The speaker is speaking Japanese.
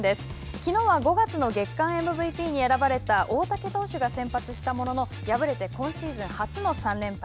きのうは５月の月間ＭＶＰに選ばれた大竹投手が先発したものの敗れて今シーズン初の３連敗。